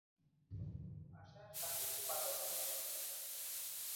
আশা শাশুড়িকে বাতাস করিতেছিল।